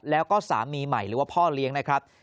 แล้วก็สามีใหม่หรือว่าพ่อเลี้ยงนะครับ